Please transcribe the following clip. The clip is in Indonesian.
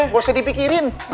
gak usah dipikirin